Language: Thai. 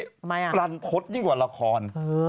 ทำไมล่ะปรันทดยิ่งกว่าราคอน